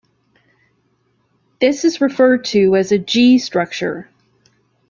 This is referred to as a G-structure.